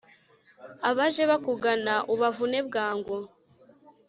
Abaje bakugana ubavune bwangu